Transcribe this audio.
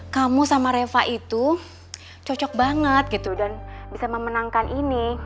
kamu sama reva itu cocok banget gitu dan bisa memenangkan ini